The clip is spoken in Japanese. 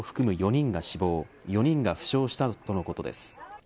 ４人が死亡４人が負傷したとのことです。